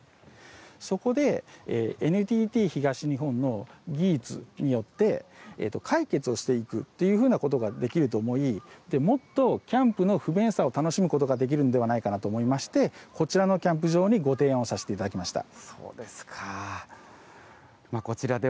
そこで、ＮＴＴ東日本の技術によって、解決をしていくというふうなことができると思い、もっとキャンプの不便さを楽しむことができるんではないかなと思いまして、こちらのキャンプ場にご提案をさせていただきました。